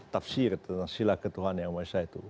tafsir tentang sila ketuhan yang maha esa itu